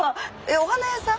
お花屋さん？